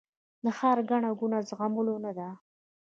د ښار ګڼه ګوڼه د زغملو نه ده